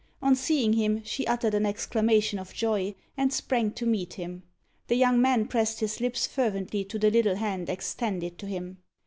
On seeing him, she uttered an exclamation of joy, and sprang to meet him. The young man pressed his lips fervently to the little hand extended to him.